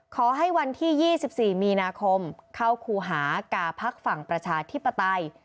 ขอให้วันที่๒๔มีนาคมเข้าครูหากาพักฝั่งประชาธิปไตย